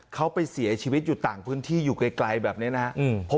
เขาไปเสียชีวิตอยู่ต่างพื้นที่อยู่ไกลแบบนี้นะครับ